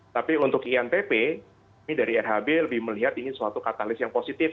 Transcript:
tapi untuk iantp kami dari rhb lebih melihat ini suatu katalis yang positif